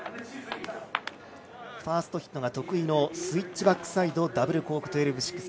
ファーストヒットが得意のスイッチバックサイドダブルコーク１２６０。